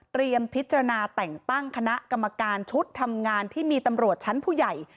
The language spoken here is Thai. พิจารณาแต่งตั้งคณะกรรมการชุดทำงานที่มีตำรวจชั้นผู้ใหญ่